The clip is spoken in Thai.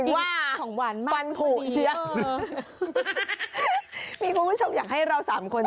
ถึงว่าปั่นผูชิ้นมีผู้ชมอยากให้เราสามคน